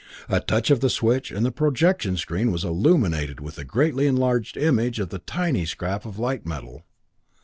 A touch of the switch, and the projection screen was illuminated with the greatly enlarged image of the tiny scrap of light metal.